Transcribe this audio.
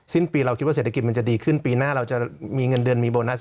สิ้นปีเราคิดว่าเศรษฐกิจมันจะดีขึ้นปีหน้าเราจะมีเงินเดือนมีโบนัส